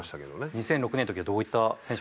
２００６年の時はどういった選手が。